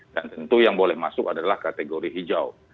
dan tentu yang boleh masuk adalah kategori hijau